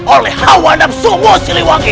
oleh hawa dan semua siliwari